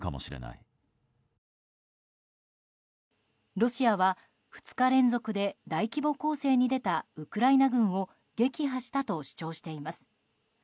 ロシアは２日連続で大規模攻勢に出たウクライナ軍を撃破したと主張しています。